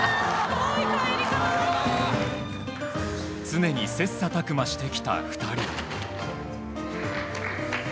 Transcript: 常に切磋琢磨してきた２人。